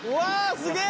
すげえ！